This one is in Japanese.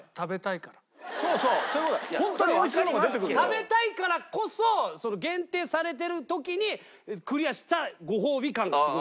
食べたいからこそ限定されてる時にクリアしたごほうび感がすごい。